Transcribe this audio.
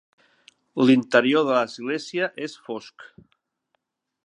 L'interior de l'església és fosc.